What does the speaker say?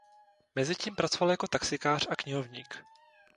Mezitím pracoval jako taxikář a knihovník.